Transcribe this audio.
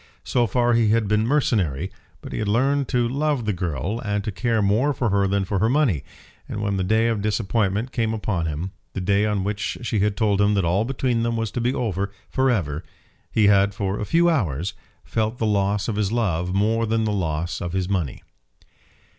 So far he had been mercenary; but he had learned to love the girl, and to care more for her than for her money, and when the day of disappointment came upon him, the day on which she had told him that all between them was to be over for ever, he had, for a few hours, felt the loss of his love more than the loss of his money.